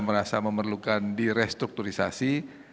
merasa memerlukan di restrukturisasi